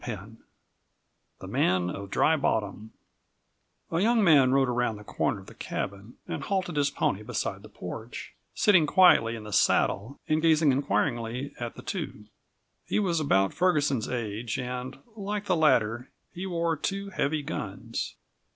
CHAPTER V THE MAN OF DRY BOTTOM A young man rode around the corner of the cabin and halted his pony beside the porch, sitting quietly in the saddle and gazing inquiringly at the two. He was about Ferguson's age and, like the latter, he wore two heavy guns.